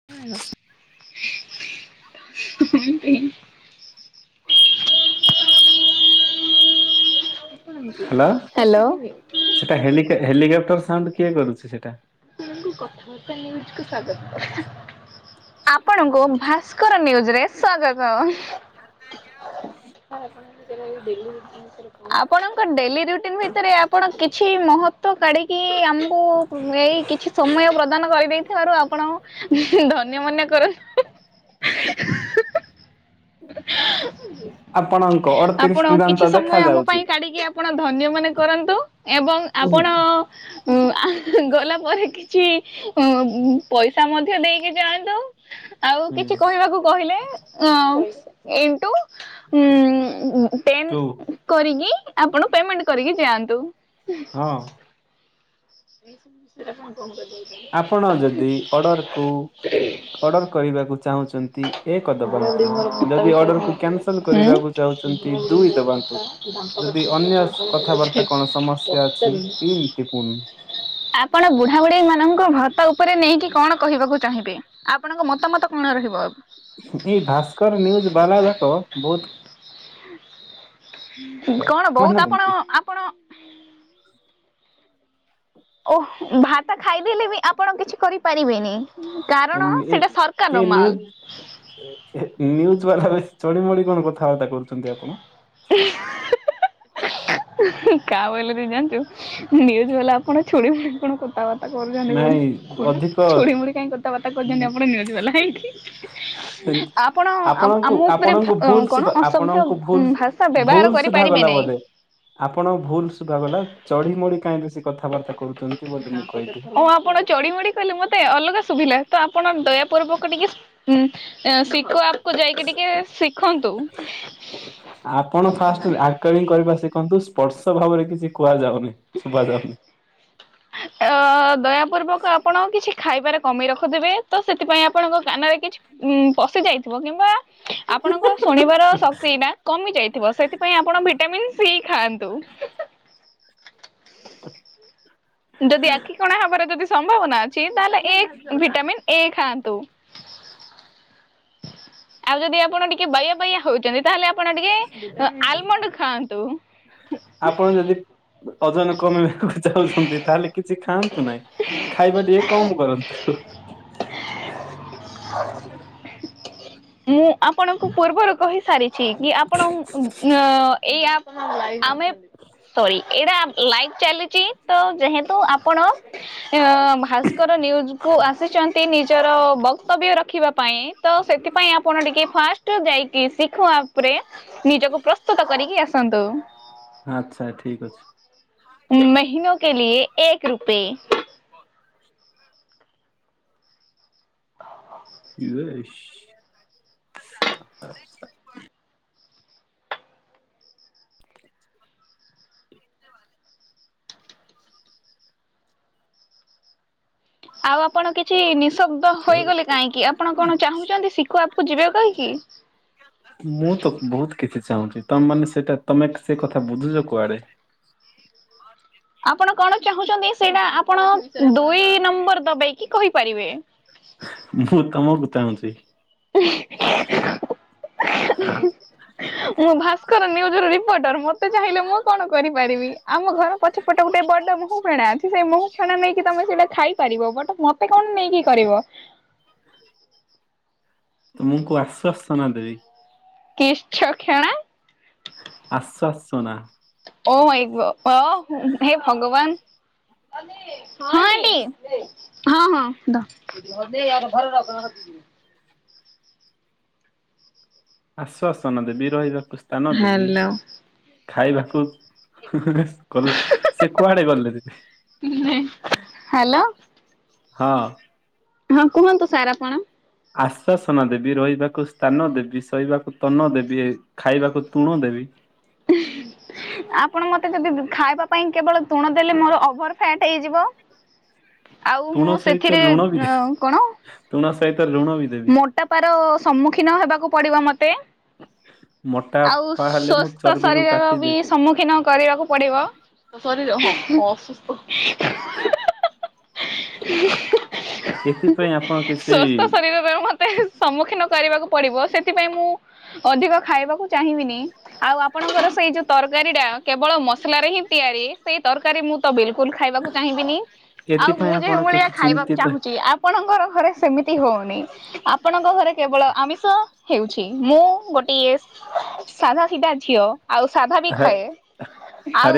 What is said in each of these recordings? [unintelligible] Hello hello ସେଟା ହେଲିକର helicopter sound କିଏ କରୁଛି ସେଟା? ଆପଣଙ୍କୁ କଥାବାର୍ତ୍ତା ନିୁଜ କ ସ୍ଵାଗତ କର। [unintelligible] ଆପଣଙ୍କୁ ଭାସ୍କର ନ୍ୟୁଜରେ ସ୍ଵାଗତ। ଆପଣଙ୍କ ଡେଲି ରୁଟିନ ଭିତରେ ଆପଣ କିଛି ମହତ୍ଵ କାଢି କି। କି ଆମକୁ ଏଇ କିଛି ସମୟ ପ୍ରଦାନ କରିବେ କି? ଦେଇଥିବାରୁ ଆପଣଙ୍କୁ ଧନ୍ୟ ମନେ କରନ୍ତୁ। [unintelligible] ଆପଣଙ୍କ ଅଡତିରିଶ ଆପଣ କିଛି ଦୂରାନ୍ତ ଦେଖା ସମୟ ଆମ ଯାଉଛି। ପାଇଁ କାଢିକି ଆପଣ ଧନ୍ୟ ମନେ କରନ୍ତୁ ଏବଂ ଆପଣ? ଆହ ଗୋଲାପ। ପରେ କିଛି ପଇସା ମଧ୍ୟ ଦେଇକି ଯାଆନ୍ତୁ। ଆଉ କିଛି ହୁଁ କହିବାକୁ କହିଲେ? ଅ ଇନ ଟୁ ଦେନ୍‌। ଟୁ କରିକି ଆପଣ ପେମେଣ୍ଟ କରିକି ଯାଆନ୍ତୁ। ହଁ ସୋ ଫ କଣ କରି [inaudible] ଆପଣ ଯଦି ଅର୍ଡ଼ରକୁ ଅର୍ଡର କରିବାକୁ ଚାହୁଁଛନ୍ତି ଏକ ଦବାନ୍ତୁ, ଯଦି ଅର୍ଡର କୁ କ୍ୟନ୍ସଲ ସଲ ହୁଁ କରିବାକୁ ଚାହୁଛନ୍ତି ଦୁଇ ଦବାନ୍ତୁ, ଯଦି ଅନ୍ୟ କଥାବାର୍ତ୍ତା କଣ ସମ ସେ ଅଛି ତିନି ଟିପୁନ। ଆପଣ ବୁଢ଼ାବୁଢ଼ୀ ମାନଙ୍କ ଭର୍ତ୍ତା ଉପରେ ନେଇକି କଣ କହିବାକୁ ଚାହିଁବେ? ଆପଣଙ୍କ ମତାମତ କଣ ରହିବ ଆଉ? ଏଇ ଭାସ୍କର ନ୍ୟୁଜ ବାଲା ଯାକ ବହୁତ କଣ ମାନେ ବହୁତ ଆପଣ ବୁନ୍ତି ଆପଣ ଓହଃ ଭାତ ଖାଇଦେଲେ ବି ଆପଣ କିଛି କରିପାରିବେନି। କାରଣ ସେଇଟା ଏ ସରକାରର ନ୍ୟୁଜ ମାଲ। ନ୍ୟୁଜ ବାଲା ଚଢିମଡି କଣ କଥାବାର୍ତ୍ତା କରୁଛନ୍ତି ଆପଣ? [unintelligible] କା ବୋଇଲେ ଦିଦ ଜାନ୍‌ଛୁ। ନ୍ୟୁଜ ବାଲା ଆପଣ ଛୋଡି ମୋଡି କଣ କଥାବାର୍ତ୍ତା କରୁଛନ୍ତି କୁହନି। ନାଇଁ ଅଧିକ କଣଟା, ଛୋଡି ମୋଡି କାହିଁ କଥାବାର୍ତ୍ତା କରୁଛନ୍ତି ଆପଣ ନ୍ୟୁଜ ବାଲା ହେଇକି। ଆପଣ ଆପଣଙ୍କୁ ଆମ ଉପରେ ଆପଣଙ୍କୁ ଭୁଲ ଦ୍ଭା କଣ, ଶୁଭା ଅସଭ୍ୟ ଆପଣଙ୍କୁ ଭୁଲ ଭାଷା ବ୍ୟବହାର ଭୁଲ କରିପାରିବେ ଶୁଭାଗଲା ନାହିଁ। ବୋଧେ। ଆପଣ ଭୁଲ ସୁଭାଗଲା। ଚଢି ମଡି କାହିଁ ବେଶି କଥାବାର୍ତ୍ତା କରୁଛନ୍ତି? ବୋଲି ମୁଁ କହିଲି। ଓ ଆପଣ ଚଢି ମଡି କହିଲ ମତେ ଅଲଗା ସୁୁଭିଲା। ତ ଆପଣ ଦୟା ପର୍ବକୁ ଟିକେ ଉଁ ଶିଖୋ ଆପ୍ କୁ ଯାଇକି ଟିକେ ଶିଖନ୍ତୁ। ଆପଣ ଫାଷ୍ଟ ଆଙ୍କରିଂ କରିବା ଶିଖନ୍ତୁ ସ୍ପର୍ଶ ଭାବରେ କିଛି କୁହାଯାଉନି ଶୁଭ ଯାଉନି। ଅ। ଦୟାପୂର୍ବକ ଆପଣ କିଛି ଖାଇବାରେ କମି ରଖୁଥିବେ ତ ସେଥିପାଇଁ ଆପଣଙ୍କ କାନରେ କିଛି ଉଁ ପଶି ଯାଇଥିବ କିମ୍ବା ଆପଣଙ୍କ ଶୁଣିବାର ଶକ୍ତି ଏୟୀନା କମି ଯାଇଥିବ, ସେଥିପାଇଁ ଆପଣ ଭିଟାମିିନ ସି ଖାଆନ୍ତୁ। [unintelligible] ଯଦି ଆଖ କଣା ହବାର ଯଦି ସମ୍ଭାବନା ଅଛି ତାହେଲେ ଏ ଭିଟାମିନ୍ ଏ ଖାଆନ୍ତୁ। ଆଉ ଯଦି ଆପଣ ଟିକେ ବାୟା ବାୟା ହଉଛନ୍ତି ତାହେଲେ ଆପଣ ଟିକେ ଆଲମଣ୍ଡ ଖାଆନ୍ତୁ। ଆପଣ ଯଦି ଓଜନ କମିବାକୁ ଯାଉଛନ୍ତି ତାହେଲେ କିଛି ଖାଆନ୍ତୁ ନାହିଁ। ଖାଇବା ଟିକେ କମ କରନ୍ତୁ। ହମୁଁ। ଆପଣଙ୍କୁ ପୂର୍ବରୁ କହିସାରିଛି କି ଆପଣ ଏଇ ଆମେ ସରି ଏଇଟ ଲାଇବ ଚାଲିଛି। ତ ଯେହେତୁ ଆପଣ ଭାସ୍କର ନିୁଜ କୁ ଆସିଛନ୍ତି ନିଜର ବ ବକ୍ତବ୍ୟ ରଖିବା ପାଇଁ ତ ସେଥିପାଇଁ ଆପଣ ଟିକେ ଫାଷ୍ଟ ଯାଇକି ଶିଖୋ ଆପ୍ ରେ ନିଜକୁ ପ୍ରସ୍ତୁତ କରିକି ଆସନ୍ତୁ। ଆଚ୍ଛା ଠିକ ଅଛି। ମହିନୋ କେ ଲିଏ ଏକ ରୁପେ। [inaudible] [unintelligible] ଆଉ ଆପଣ କିଛି ନିଶ ତ ହେଇଗଲେ କାହିଁକି ଆପଣ କଣ ଚାହୁଁଛନ୍ତି ଶିଖ ଆପ କୁ ଯିବେ କହିକି। ମୁଁ ତ ବହୁତ କିଛି ଚାହୁଁଛି ତମେ ମାନେ ସେଇଟା ତମେ ସେ କଥା ବୁଝୁଛ କୁଆଡେ? ଆପଣ କଣ ଚାହୁଁଛନ୍ତି ସେଇଟା ଆପଣ ଦୁଇ ନମ୍ବର ଦବକି କହିପାରିବେ। [inaudible] ମୁଁ ତମକୁ ଚାହୁଁଛି। [inaudible] ମୁଁ ଭାସ୍କର ନିୁଜ ର ରିପୋର୍ଟର ମତେ ଚାହିଁଲେ ମୁଁ କଣ କରିପାରିବି। ଆମ ଘର ପଛପଟ ଗୋଟେ ବଡ ମହୁ ଫେଣା ଅଛି। ସେଇ ମହୁ ଫେଣା ନେଇକି ତମେ ସେଇଟା ଖାଇ ପାରିବ ବଟ ମତେ କଣ ନେଇକି କରିବ? ମୁଁ କୁ ଆଶ୍ଵାସନା ଦେବି। କିସ ଛ କ୍ଷଣା? ଆଶ୍ଵାସନା। ଓ ମାଇଁ ଗ, ଓହ ହେ ଭଗବାନ। ହଁ ଆଣ୍ଟି ହଁ ହଁ। ଧ ଆଶ୍ଵାସନ ଦେବି, ରହିବାକୁ ସ୍ଥାନ ଦେବି, ହ୍ୟାଲୋ। ଖାଇବାକୁ ଗଲା ସେ କୁଆଡେ ଗଲେ ଦିଦି। [unintelligible] ହ୍ୟାଲୋ। ହଁ। ହଁ କୁହନ୍ତୁ ସାର୍ ଆପଣ। ଆଶ୍ଵସନା ଦେବି, ରହିବାକୁ ସ୍ଥାନ ଦେବି, ସୋଇବାକୁ ତନ ଦେବି। ଖାଇବାକୁ ତୁଣ ଦେବି। [unintelligible] ଆପଣ ମତେ ଯଦି ଖାଇବା ପାଇଁ କେବଳ ତୁଣ ଦେଲେ ମୋର ଓଭର ଫ୍ୟାଟ ହେଇଯିବ। ଆଉ ତୁଣ ମୁଁ ସହିତ ସେଥିରେ ଲୁଣ ବି ଅ ଦେବି କଣ। ତୁଣ ସହିତ ଲୁଣ ବି ଦେବି। ମୋଟାପାର ସମ୍ମୁଖୀନ ହେବାକୁ ପଡିବ ମତେ। ଆଉ ମୋଟାପା ହେଲେ ମୁଁ ସ୍ଵସ୍ଥ ଚର୍ବିକୁ ଶରୀରର ବି କାଟିଦେବି ସମ୍ମୁଖୀନ କରିବାକୁ ପଡିବ ଶରୀର ଅସୁସ୍ଥ। [unintelligible] ଏଥିପାଇଁ ଆପଣ କିଛି ସ୍ୱସ୍ଥ ଶରୀରର ମତେ ସମ୍ମୁଖୀନ କରିବାକୁ ପଡିବ ସେଥିପାଇଁ ମୁଁ ଅଧିକ ଖାଇବାକୁ ଚାହିଁବିନି। ଆଉ ଆପଣଙ୍କର ସେଇ ଯୋଉ ତରକାରୀ ଟା କେବଳ ମସଲାରେ ହିଁ ତିଆରି ସେଇ ତରକାରୀ ମୁଁ ତ ବିଲକୁଲ ଖାଇବାକୁ ଚାହିଁବିନି ଆଉ ଏଥିପାଇଁ ମୁଁ ଆପଣ ଯେଉଁଭଳିଆ କିଛି ଖାଇବାକୁ ଚିନ୍ତିତ ଚାହୁଁଛି ଆଉ ପଣଙ୍କର ଘରେ ସେମିତି ହଉନି। ଆପଣଙ୍କ ଘରେ କେବଳ ଆମିଷ ହେଉଛି। ମୁଁ ଗୋଟିଏ ସାଧା ସିଧା ଝିଅ। ଆଉ ସାଧା ବି ହେ ଖାଏ। ଆଉ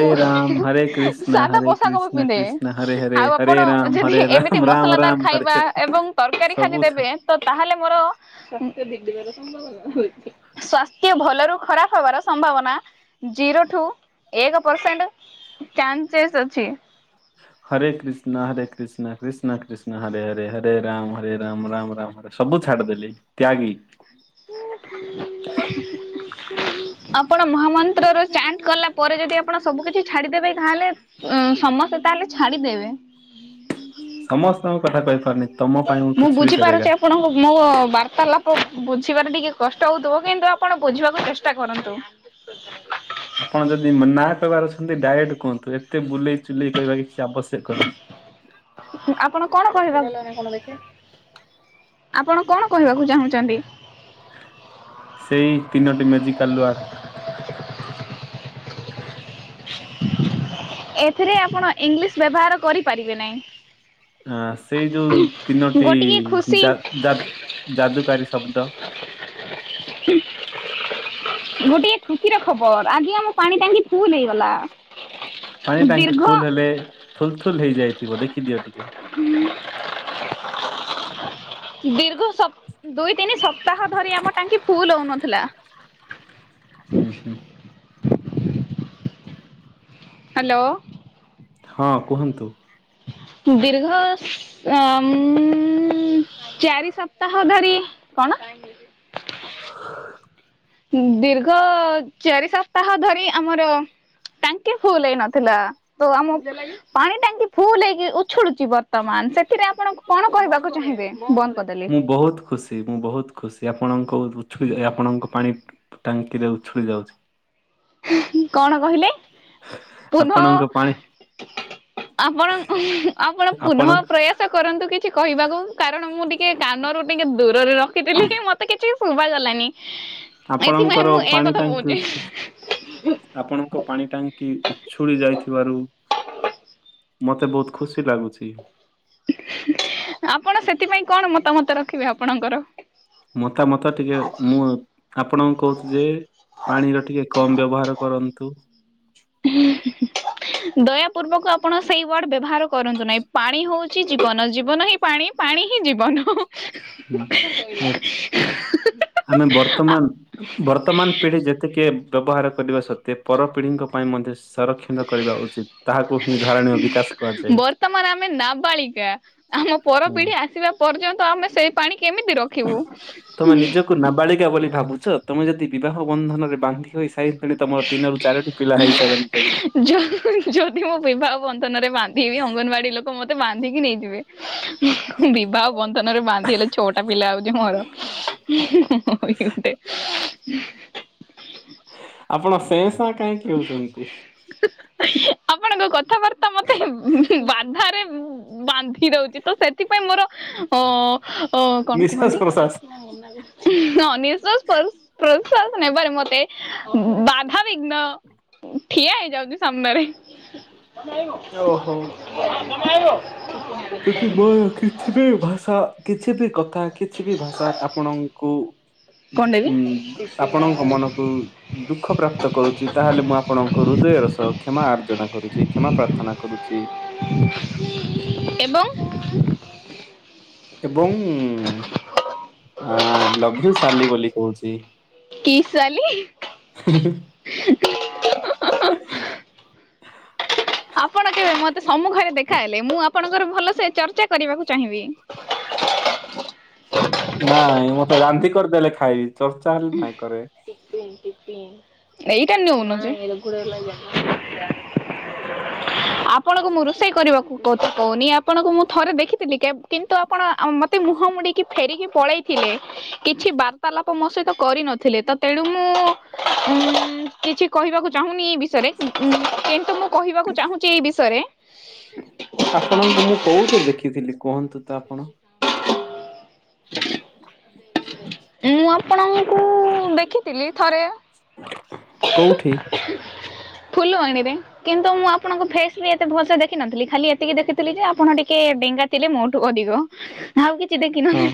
ସାଧା ପୋଷାକ ବି ପିନ୍ଧେ। ଆଉ ଆପଣ ରାମ ଯଦି ହରେ ଏମିତି ରାମ ରାମ ମସଲାଦାର ରାମ ହରେ ଖାଇବା ହରେ ଏବଂ ତରକାରୀ ଖାଲି ସବୁ ଦେବେ ଛା- ତ ତାହେଲେ ମୋର ସ୍ଵାସ୍ଥ୍ୟ ଭଲରୁ ଖରାପ ହବାର ସମ୍ଭାବନା ଜିରୋଠୁ ଏକ ପରସେଣ୍ଟ ଚାନ୍ସସେସ୍ ଅଛି। ହରେ କୃଷ୍ଣ ହରେ କୃଷ୍ଣ କୃଷ୍ଣ କୃଷ୍ଣ ହରେ ହରେ ହରେ ରାମ ହରେ ରାମ ରାମ ରାମ ସବୁ ଛାଡିଦେଲି ତ୍ୟାଗୀ। [inaudible] ଆପଣ ମହାମନ୍ତ୍ର ର ଚାଣ୍ଟ କଲା ପରେ ଯଦି ଆପଣ ସବୁ କିଛି ଛାଡିଦେବେ ତାହେଲେ ଉ ସମସ୍ତେ ତାହେଲେ ଛାଡିଦେବେ। ସମସ୍ତଙ୍କ କଥା କହିପାରୁନି। ତମ ପାଇଁ ମୁଁ କିଛି ବି କରେଗା ବୁଝିପାରୁଛି ଆ ଆପଣଙ୍କୁ ମୋ ବାର୍ତ୍ତାଳାପ ବୁଝିବାରେ ଟିକେ କଷ୍ଟ ହଉଥିବ। କିନ୍ତୁ ଆପଣ ବୁଝିବାକୁ ଚେଷ୍ଟା କରନ୍ତୁ। ଆପଣ ଯଦି ମ୍ ନା କହିବାର ଅଛନ୍ତି ଡାଇରେକଟ କୁହନ୍ତୁ। ଏତେ ବୁଲେଇ ଚୁଲେଇ କହିବା କିଛି ଆବଶ୍ୟକ ନାହିଁ। ଆପଣ କଣ କହିବା ଆପଣ କଣ କହିବାକୁ ଚାହୁଁଛନ୍ତି? ସେଇ ତିନୋଟି ମେଜିକାଲ ୱାର୍ଡ। ଏଥିରେ ଆପଣ ଇଂଲିଶ୍ ବ୍ୟବହାର କରିପାରିବେ ନାଇଁ। ଆ ସେଇ ଯୋଉ ତିନୋଟି ଗୋଟିଏ ଖୁସି ଯାଦ ଯାଦ ଯାଦୁକାରୀ ଶବ୍ଦ। [inaudible] ଗୋଟିଏ ଖୁସିର ଖବର ଆଜି ଆମ ପାଣି ଟାଙ୍କି ଫୁଲ ହେଇଗଲା। ପାଣି ଟାଙ୍କି ଦୀର୍ଘ ଫୁଲ ହେଲେ ଥୁଲଥୁଲ ହେଇଯାଇଥିବ ଦେଖିଦିଅ ଟିକେ। ହୁଁ। ଦୀର୍ଘ ସପ୍ ଦୁଇ ତିନି ସପ୍ତାହ ଧରି ଆମ ଟାଙ୍କି ଫୁଲ ହଉନଥିଲା। ହୁଁ ହୁଁ। ହାଲୋ। ହଁ କୁହନ୍ତୁ। ଦୀର୍ଘ ଅମ୍ ଚାରି ସପ୍ତାହ ଧରି କଣ? ଦୀର୍ଘ ଚାରି ସପ୍ତାହ ଧରି ଆମର ତାଙ୍କେ ଫୁଲ ହେଇ ନଥିଲା। ତ ଆମ ପାଣି ଟାଙ୍କି ଫୁଲ ହେଇକି ଉଛୁଳୁଛି ବର୍ତମାନ, ସେଥିରେ ଆପଣ କଣ କହିବାକୁ ଚାହିଁବେ? ବନ୍ଦ କରିଦେଲି। ମୁଁ ବହୁତ ଖୁସି ମୁଁ ବହୁତ ଖୁସି ଆପଣଙ୍କ ଉଛୁଳି ଯା ଏ ଆପଣଙ୍କ ପାଣି ଟାଙ୍କିରେ ଉଛୁଳି ଯାଉଛି। କଣ କହିଲେ ପୁନଃ ଆପଣଙ୍କ ପାଣି ଆପଣ ଆପଣ ପୁନଃ ପ୍ରୟା ସ କରନ୍ତୁ କିଛି କହିବାକୁ କାରଣ ମୁଁ ଟିକେ କାନରୁ ଟିକେ ଦୂରରେ ରଖିଥିଲି କି ମୋତେ କିଛି ଶୁଭାଗଲାନି। ଆପଣଙ୍କର ପାଣି ଟାଙ୍କି କହୁଛି ଉଛୁ ଆପଣଙ୍କ ପାଣି ଟାଙ୍କି ଉଛୁଳି ଯାଇଥିବାରୁ ମତେ ବହୁତ ଖୁସି ଲାଗୁଚି। ଆପଣ ସେଥିପାଇଁ କଣ ମତାମତ ରଖିବେ ଆପଣଙ୍କର? ମତାମତ ଟିକେ ମୁଁ ଆପଣଙ୍କୁ କହୁଛି ଯେ ପାଣିର ଟିକେ କମ୍ ବ୍ୟବହାର କରନ୍ତୁ। ହୁଁ ହୁଁଁ ହୁଁ। ଦୟାପୂର୍ବକ ଆପଣ ସେଇ ୱାର୍ଡ ବ୍ୟବହାର କରନ୍ତୁ ନାହିଁ ପାଣି ହୋଉଚି ଜୀବନ ଜୀବନ ହିଁ ପାଣି ପାଣି ହିଁ ଜୀବନ। ହୁଁ ଏ ଆମେ ବର୍ତ୍ତମାନ ବର୍ତ୍ତମାନ ପିଢି ଯେତିକି ବ୍ୟବହାର କରିବା ସତ୍ତ୍ୱେ ପରପିଢ଼ିଙ୍କ ପାଇଁ ମଧ୍ୟ ସରକ୍ଷ ଣ କରିବା ଉଚିତ୍ ତାହାକୁ ହିଁ ଧାରଣୀୟ ବିକାଶ କୁହାଯାଏ। ବର୍ତ୍ତମାନ ଆମେ ନାବାଳିକା ଆମ ହୁଁ। ପରପିଢି ଆସିବା ପର୍ଯ୍ୟନ୍ତ ଆମେ ସେଇ ପାଣି କେମିତି ରଖିବୁ? କୁ ନାବାଳିକା ବୋଲି ଭାବୁଚ ତମେ ଯଦି ବିବାହ ବନ୍ଧନରେ ବାନ୍ଧି ହୋଇ ସାଇ ତଣି ତମର ତିନରୁ ଚାରୋଟି ପିଲା ହେଇସାରନ୍ତେଣି। ଯ ଯଦି ମୁଁ ବିବାହ ବନ୍ଧନରେ ବାନ୍ଧି ହେବି ଅଙ୍ଗନବାଡି ଲୋକ ମତେ ବାନ୍ଧିକି ନେଇଯିବେ। ବିିବାହ ବନ୍ଧନରେ ବାନ୍ଧି ହେଲେ ଛଅଟା ପିଲା ହୋଉଚି ମୋର ମୁଁ ବି ଗୋଟେ ଉହୁଁ। ଆପଣ ସେଁ ସାଁ କାଇଁକି ହୋଉଚନ୍ତି? ଆପଣଙ୍କ କଥାବାର୍ତ୍ତା ମତେ ବାଧାରେ ବାନ୍ଧିଦୋଉଚି ତ ସେଥିପାଇଁ ମୋର ଅ ଅ କଣ ନିଶ୍ୱାସ କୁହନ୍ତିୁ? ପ୍ରଶ୍ୱାସ ଉଁ ହଁ ନିଶ୍ବାସ ପଶ୍-ପ୍ରଶ୍ୱାସ ନେବାରେ ମତେ ବାଧାବିଘ୍ନ ଠିଆ ହେଇଯାଉଚି ସାମ୍ନାରେ। ଓହୋ ସେଥିପାଇଁ କିଛି ବି ଭାଷା କିଛି ବି କଥା କିଛି ବି ଭାଷା ଆପଣଙ୍କୁ କଣ ଦେବି ଉଁ ଆପଣଙ୍କ ମନକୁ ଦୁଖପ୍ରାପ୍ତ କରୁଚି ତାହେଲେ ମୁଁ ଆପଣଙ୍କ ହୃଦୟର ସହ କ୍ଷମା ଆର୍ଜନା କରୁଚି କ୍ଷମା ପ୍ରାର୍ ଥନା କରୁଚି। [unintelligible] ଏବଂ ଏବଂ ଉଁ ଆଁ ଲଭ ୟୁ ସାଲି ବୋଲି କୋହୁଚି। କି ସାଲି? ହିଁ ହିଁ ହିଁ। ଆପଣ କେବେ ମତେ ସମ୍ମୁଖରେ ଦେଖାହେଲେ ମୁଁ ଆପଣଙ୍କର ଭଲସେ ଚର୍ଚ୍ଚା କରିବାକୁ ଚାହିଁବି। ନାଇଁ ମତେ ରାନ୍ଧି କରଦେଲେ ଖାଇବି ଚର୍ଚ୍ଚା ହେଲେ ନାଇଁ କରେ। ଏଇଟା ନୋଉନ ଯେ। ଆପଣଙ୍କୁ ମୁଁ ରୋଷେଇ କରିବାକୁ କତ୍ କୋହୁନି ଆପଣଙ୍କୁ ମୁଁ ଥରେ ଦେଖିଥିଲି କେବ୍ କିନ୍ତୁ ଆପଣ ଆ ମ ତେ ମୁହଁ ମୋଡିକି ଫେରିକି ପଳେଇଥିଲେ କିଛି ବାର୍ତ୍ତାଲାପ ମୋ ସହିି ତ କରିନଥିଲେ ତ ତେଣୁ ମୁଁ ଉଁ କିଛି କହିବାକୁ ଚାହୁଁନି ଇ ବିଷୟରେ ଉଁ କିନ୍ତୁ ମୁଁ କହିବାକୁ ଚାହୁଁଚି ଏଇ ବିଷୟରେ ଆପଣଙ୍କୁ ମୁଁ କୋଉଠି ଦେଖିଥିଲି କୁହନ୍ତୁ ତ ଆପଣ? ମୁଁ ଆପଣଙ୍କୁ ଦେଖିଥିଲି ଥରେ। କୋଉଠି? ଫୁଲବାଣୀରେ କିନ୍ତୁ ମୁଁ ଆପଣଙ୍କ ଫେସ୍ ବି ଏତେ ଭଲସେ ଦେଖିନଥିଲି ଖାଲି ଏତିକି ଦେଖିଥିଲି ଯେ ଆପଣ ଟିକିଏ ଡେଙ୍ଗା ଥିଲେ ମୋ ଠୁ ଅଧିକ ଆଉ କିଛି ହଁ ଦେଖିନଥିଲି।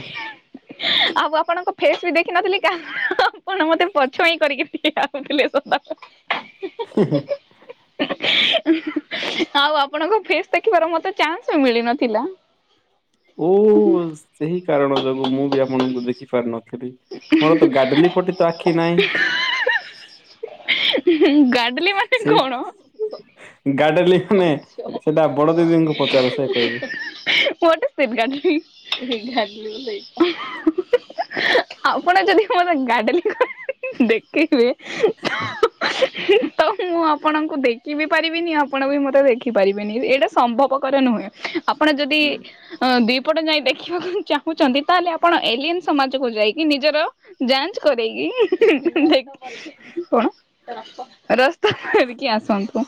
ଆଉ ଆପଣଙ୍କ ଫେସ୍ ବି ଦେଖିନଥିଲି କାରଣ ଆପଣ ମତେ ପଛୁଆ ହିଁ କରିକି ଠିଆ ହୋଉଥିଲେ ସଦା ହେଁ ହେଁ। ଆଉ ଆପଣଙ୍କୁ ଫେସ୍ ଦେଖିବାର ମତେ ଚାନ୍ସ ବି ମିଳି ନଥିଲା। ଓ ସେହି କାରଣ ଯୋଗୁ ମୁଁ ବି ଆପଣଙ୍କୁ ଦେଖି ପାରି ନଥିଲି। ମୋର ତ ଗାଡଲି ପଟି ତ ଆଖି ନାହିଁ। ଗାଡିଲ ମାନେ ସେଇ କଣ? [unintelligible] [unintelligible] ଗାଡେଲି ମାନେ ସେଟା ବଡ ଦିଦିଙ୍କୁ ପଚାର ସେ କହିବେ। ଆପଣ ଯଦି ମୋତେ ଗାଡଲି [unintelligible] ଦେଖେଇବେ ତ ମୁଁ ଆପଣଙ୍କୁ ଦେଖିବ ବି ପାରିବିନି ଆ ଆପଣ ବି ମତେ ଦେଖିପାରିବେନି ଏଇଟା ସମ୍ଭବପର ନୁହେଁ ଆପଣ ଯଦି ହୁଁ ଦିପଟ ଯାଇ ଦେଖିବାକୁ ଚାହୁଁଛନ୍ତି ତାହେଲେ ଆପଣ ଏଲିଆନ ସମାଜକୁ ଯାଇକି ନିଜର ଯାଞ୍ଚ କରେଇକି [unintelligible] ଦେଖ କଣ ରାସ୍ତା [unintelligible] ରିକି ଆସନ୍ତୁ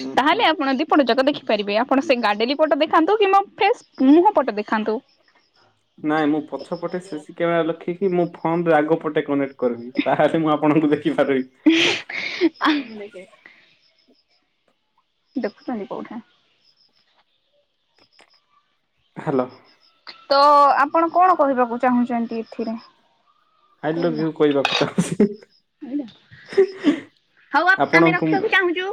ଉଁ ହୁଁ ତାହେଲେ ଆପଣ ଯ ଆପଣ ଯାକ ଦେଖିପାରିବେ ଆପଣ ସେ ଗାଡେଲି ପଟ ଦେଖାନ୍ତୁ କିମ୍ବା ଫ୍ରେଶ ମୁହଁ ପଟ ଦେଖାନ୍ତୁ। ନାଇଁ ମୁଁ ପଛ ପଟେ ସିସିି କ୍ୟାମେରା ଲଖିକି ମୁଁ ଫୋନରେ ଆଗ ପଟେ କନେକ୍ଟ କରିବି ତାହେଲେ ମୁଁ ଆପଣଙ୍କୁ ଦେଖିପାରିବି। [unintelligible] [unintelligible] ହ୍ୟାଲୋ ତ ଆପଣ କଣ କହିବାକୁ ଚାହୁଁଛନ୍ତି ଏଥିରେ। ଆଇ ଲଭ ୟୁ କହିବାକୁ ଚାହୁଁଛି ହଉ ଆମେ ଆପଣଙ୍କୁ ରଖିବାକୁ ମୁଁ ଚାହୁଁଛୁ।